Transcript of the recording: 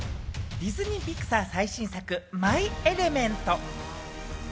ディズニー＆ピクサー最新作『マイ・エレメント』。